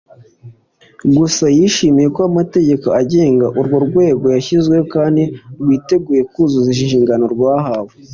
Gusa yishimiye ko amategeko agenga urwo rwego yashyizweho kandi rwiteguye kuzuza inshingano rwahawe